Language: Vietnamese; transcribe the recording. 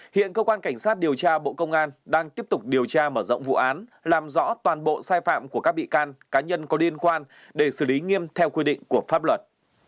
hiện cơ quan cảnh sát điều tra bộ công an đang tiếp tục điều tra mở rộng vụ án làm rõ toàn bộ sai phạm của các bị can cá nhân có liên quan để xử lý nghiêm theo quy định của pháp luật